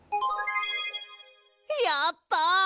やった！